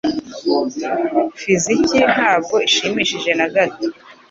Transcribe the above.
Fiziki ntabwo ishimishije na gato.